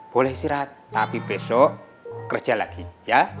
boleh istirahat tapi besok kerja lagi ya